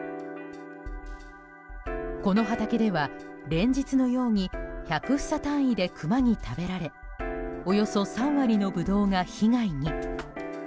この畑では連日のように１００房単位でクマに食べられおよそ３割のブドウが被害に。